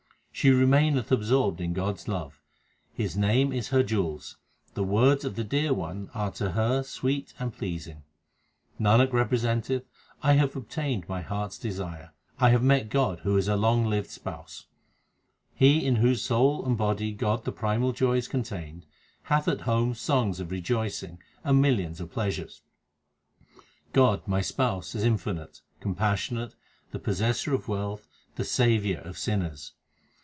She remaineth absorbed in God s love ; His name is her jewels ; the words of the Dear One are to her sweet and pleasing. Nanak representeth, I have obtained my heart s desire ; I have met God who is a long lived Spouse. He in whose soul and body God the Primal Joy is con tained, Hath at home songs of rejoicing and millions of pleasures. God, my Spouse, is infinite, compassionate, the Possessor of wealth, the Saviour of sinners.